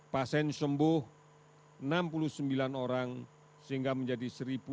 pasien sembuh enam puluh sembilan orang sehingga menjadi satu lima ratus sembilan puluh satu